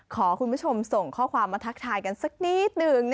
ขอคุณผู้ชมส่งข้อความมาทักทายกันสักนิดหนึ่ง